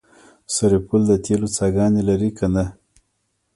سرپل د تیلو څاګانې لري که نه؟